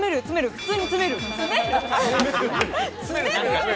普通に詰める。